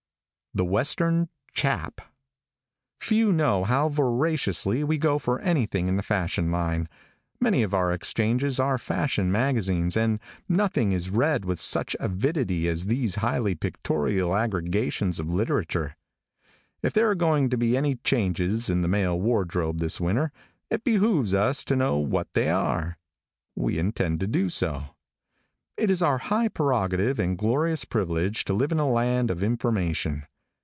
THE WESTERN "CHAP." |FEW know how voraciously we go for anything in the fashion line. Many of our exchanges are fashion magazines, and nothing is read with such avidity as these highly pictorial aggregations of literature. If there are going to be any changes in the male wardrobe this winter, it behooves us to know what they are. We intend to do so. It is our high prerogative and glorious privilege to live in a land of information.